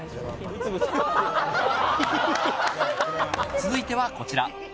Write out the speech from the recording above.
続いてはこちら。